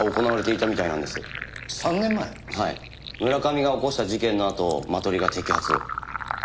村上が起こした事件のあとマトリが摘発を。